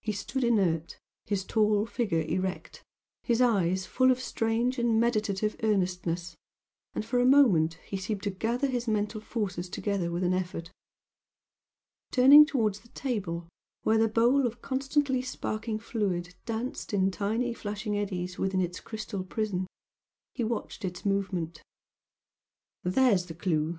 He stood inert his tall figure erect his eyes full of strange and meditative earnestness, and for a moment he seemed to gather his mental forces together with an effort. Turning towards the table where the bowl of constantly sparkling fluid danced in tiny flashing eddies within its crystal prison, he watched its movement. "There's the clue!"